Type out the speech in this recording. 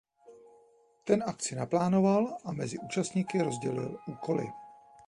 Ten akci naplánoval a mezi účastníky rozdělil úkoly.